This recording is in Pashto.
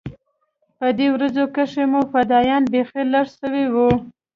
په دې ورځو کښې مو فدايان بيخي لږ سوي وو.